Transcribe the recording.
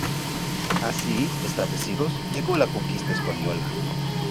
Así, establecidos, llegó la conquista española.